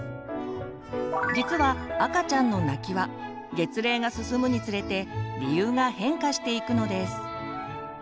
実は赤ちゃんの泣きは月齢が進むにつれて理由が変化していくのです。